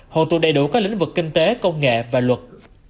hồn tụ đầy đủ các lĩnh vực kinh tế công nghệ và luật